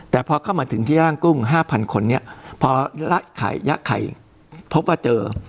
แต่พอเข้ามาถึงที่ร่างกุ้ง๕๐๐คนนี้พอละไข่ยะไข่พบว่าเจอ